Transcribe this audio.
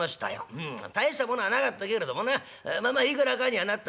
うん大したものはなかったけれどもなまあまあいくらかにはなった。